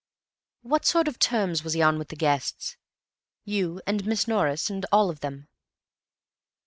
What sort of terms was he on with the guests—you and Miss Norris and all of them?"